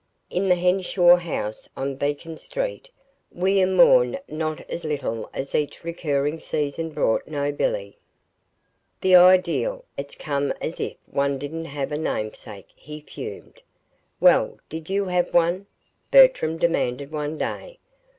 In the Henshaw house on Beacon Street, William mourned not a little as each recurring season brought no Billy. "The idea! It's just as if one didn't have a namesake!" he fumed. "Well, did you have one?" Bertram demanded one day.